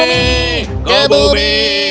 ke bumi ke bumi